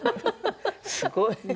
すごい。